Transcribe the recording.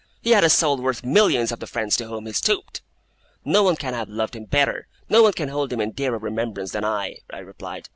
He had a soul worth millions of the friends to whom he stooped!' 'No one can have loved him better, no one can hold him in dearer remembrance than I,' I replied.